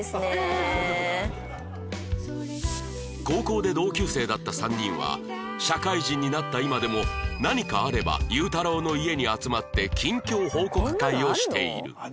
高校で同級生だった３人は社会人になった今でも何かあれば祐太郎の家に集まって近況報告会をしている